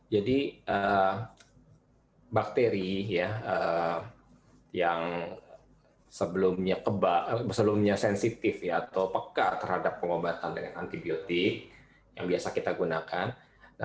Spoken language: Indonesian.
jadi bakteri yang sebelumnya sensitif atau peka terhadap pengobatan dengan antibiotik yang biasa kita gunakan